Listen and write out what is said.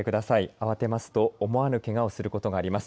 慌てますと思わぬけがをすることがあります。